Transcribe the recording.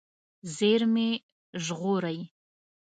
زېرمې ژغورئ.